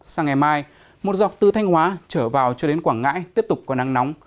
sáng ngày mai một dọc tư thanh hóa trở vào cho đến quảng ngãi tiếp tục có nắng nóng